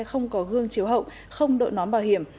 không có gương chiếu hậu không đội nón bảo hiểm